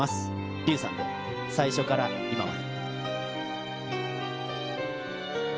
Ｒｙｕさんで、最初から今まで。